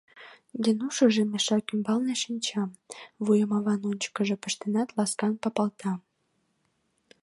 Генушыжо мешак ӱмбалне шинча, вуйым аван ончыкыжо пыштенат, ласкан папалта.